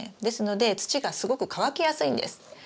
ですので土がすごく乾きやすいんです。